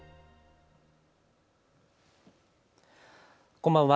こんばんは。